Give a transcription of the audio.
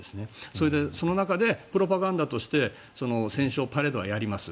それで、その中でプロパガンダとして戦勝パレードはやります。